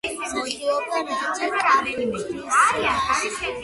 მსახიობ რაჯ კაპურის ვაჟი.